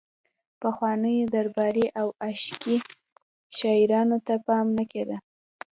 پخوانیو درباري او عشقي شعرونو ته پام نه کیده